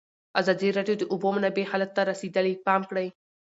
ازادي راډیو د د اوبو منابع حالت ته رسېدلي پام کړی.